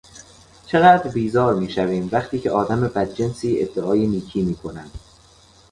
چقدر بیزار میشویم وقتی که آدم بدجنسی ادعای نیکی میکند.